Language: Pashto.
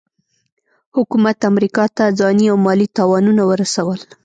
حکومت امریکا ته ځاني او مالي تاوانونه ورسول.